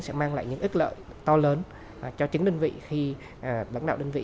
sẽ mang lại những ít lợi to lớn cho chính đơn vị khi lãng đạo đơn vị